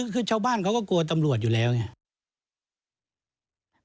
คือชาวบ้านเขาก็กลัวตำรวจอยู่แล้วไง